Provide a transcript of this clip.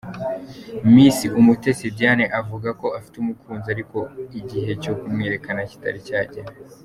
Miss Umutesi Diane avuga ko afite umukunzi ariko ko igihe cyo kumwerekana kitari cyagera.